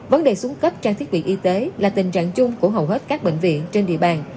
vấn đề xuống cấp trang thiết bị y tế là tình trạng chung của hầu hết các bệnh viện trên địa bàn